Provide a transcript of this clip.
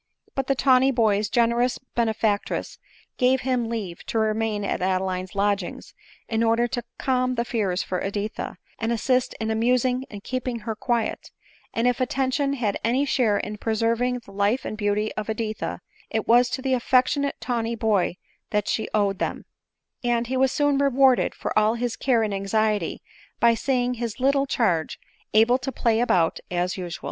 But the tawny boy's generous benefactress gave him leave to remain at Adeline's lodgings, in order to calm his fears for Editha, and assist in amusing and keeping her quiet ; and if attention had any share in preserving the life and beauty of Editha, it was to the affectionate tawny boy that she owed them ; and he was soon rewarded for all his care and anxiety by seeing his little charge able to play about as usual.